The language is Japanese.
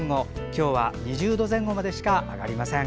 今日は２０度前後までしか上がりません。